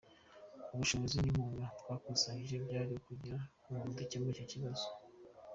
Ubushobozi n’inkunga twakusanyije byari ukugira ngo dukemure icyo kibazo.